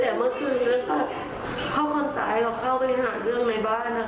แต่เมื่อคืนแล้วก็เข้าคนตายเราเข้าไปหาเรื่องในบ้านนะคะ